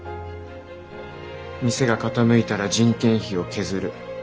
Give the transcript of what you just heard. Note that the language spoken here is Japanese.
店が傾いたら人件費を削る。